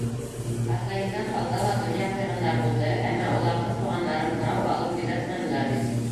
Атайымдан алда ла донъя ҡуйғандар булды, әммә уларҙың туғандарын һорау алып йөҙәтмәнеләр бит.